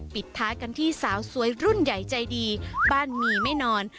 ปิดท้ายกันที่สาวสวยรุ่นใหญ่ใจดีบ้านมีไม่นอน